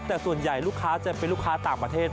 แต่ส่วนใหญ่ลูกค้าจะเป็นลูกค้าต่างประเทศ